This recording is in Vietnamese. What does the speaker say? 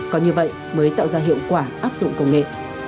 có như vậy mới tạo ra hiệu quả áp dụng công nghệ